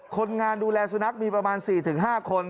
คนงานดูแลสุนัขมีประมาณ๔๕คน